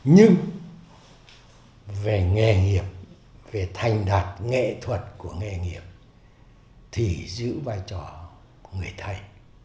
nhưng về nghề nghiệp về thành đạt nghệ thuật của nghề nghiệp thì giữ vai trò người thầy